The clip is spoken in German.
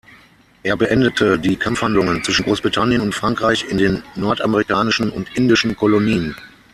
Er beendete die Kampfhandlungen zwischen Großbritannien und Frankreich in den nordamerikanischen und indischen Kolonien.